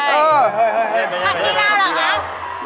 เป็นเพราะชีเหลาหรอคะ